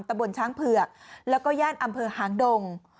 บนช้างเผือกแล้วก็ย่านอำเภอหางดง